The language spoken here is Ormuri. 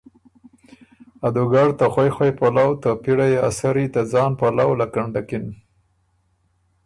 ا دُوګډ ته خؤئ خؤئ پلؤ ته پِړئ ا سري ته ځان پلؤ لکنډکِن